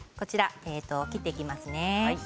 切っていきますね。